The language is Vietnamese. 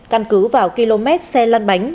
căn cứ vào km xe lăn bánh